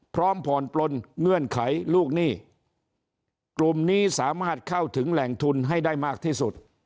พร้อมผ่อนปลนเงื่อนไขลูกหนี้กลุ่มนี้สามารถเข้าถึงแหล่งทุนให้ได้มากที่สุด